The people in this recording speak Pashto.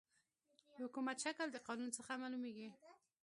د حکومت شکل د قانون څخه معلوميږي.